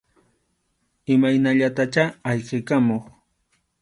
Imaynallatachá ayqikamuq.